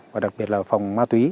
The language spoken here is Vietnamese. và đặc biệt là phòng ma túy